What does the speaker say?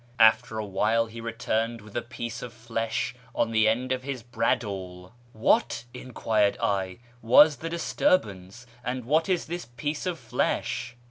After a while he returned with a piece of flesh on the end of his bradawl. ' What,' enquired I, ' was the disturbance, and what is this piece of flesh